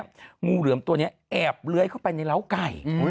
งูเหลือมตัวนี้แอบเลื้อยเข้าไปในร้าวไก่